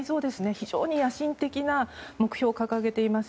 非常に野心的な目標を掲げています。